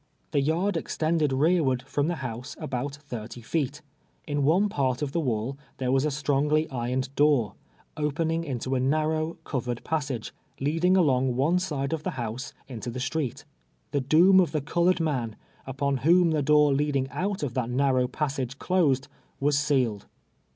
The yard extended rearward from the house ahout thirty feet. In one part of the Avail there Avas a stronijlv irc^ned door, 0]>eninu^ into a narrow, covered ]iassai^e, leadin;;; ahmij; one side of the house iiito the street. The doom of the erdored man, upon wliom the door leadini;: out of that narnnv^ passaii e closed, was sealed.